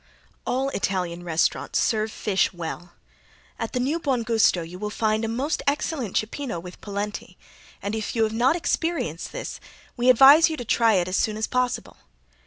All Italian restaurants serve fish well. At the New Buon Gusto you will find a most excellent cippino with polenti, and if you have not experienced this we advise you to try it as soon as possible.